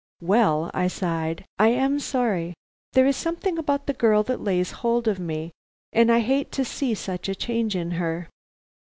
"Well," I sighed, "I am sorry; there is something about the girl that lays hold of me, and I hate to see such a change in her.